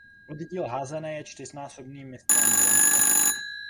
Oddíl házené je čtyřnásobným mistrem Grónska.